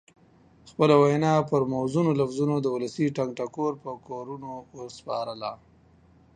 خپله وینا یې پر موزونو لفظونو د ولسي ټنګ ټکور په کورونو وسپارله.